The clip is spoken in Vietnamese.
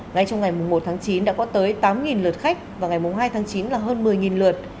ngay trong ngày một tháng chín đã có tới tám lượt khách và ngày hai tháng chín là hơn một mươi lượt